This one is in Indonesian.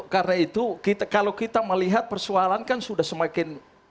karena itu kalau kita melihat persoalan kan sudah semakin